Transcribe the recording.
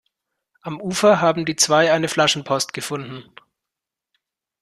Am Ufer haben die zwei eine Flaschenpost gefunden.